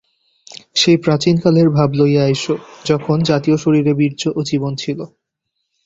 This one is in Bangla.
সেই প্রাচীনকালের ভাব লইয়া আইস, যখন জাতীয় শরীরে বীর্য ও জীবন ছিল।